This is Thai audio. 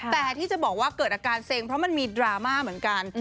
แต่ที่จะบอกว่าเกิดอาการเซ็งเพราะมันมีดราม่าเหมือนกัน